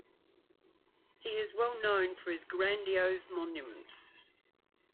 He was well known for his "grandiose monuments".